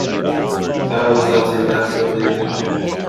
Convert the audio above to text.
The battle resulted in a Macedonian victory.